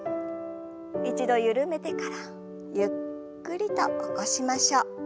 一度緩めてからゆっくりと起こしましょう。